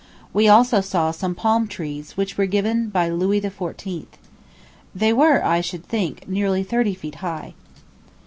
We also saw some palm trees which were given by Louis XIV. They were, I should think, nearly thirty feet high.